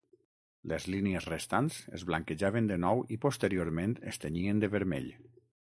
Les línies restants es blanquejaven de nou i posteriorment es tenyien de vermell.